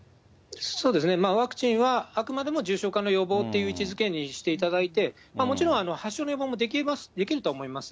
そうですね、ワクチンは、あくまでも重症化の予防という位置づけにしていただいて、もちろん発症の予防もできます、できるとは思います。